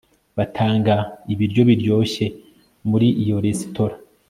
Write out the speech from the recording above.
Batanga ibiryo biryoshye muri iyo resitora